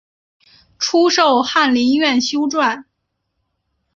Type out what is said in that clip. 初授翰林院修撰。